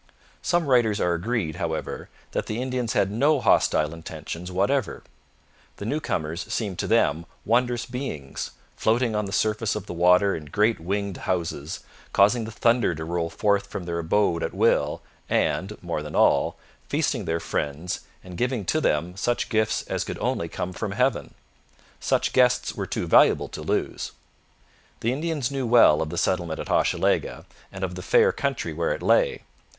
Some writers are agreed, however, that the Indians had no hostile intentions whatever. The new comers seemed to them wondrous beings, floating on the surface of the water in great winged houses, causing the thunder to roll forth from their abode at will and, more than all, feasting their friends and giving to them such gifts as could only come from heaven. Such guests were too valuable to lose. The Indians knew well of the settlement at Hochelaga, and of the fair country where it lay.